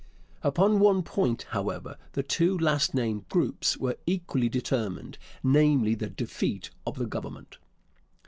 Upon one point, however, the two last named groups were equally determined, namely, the defeat of the Government.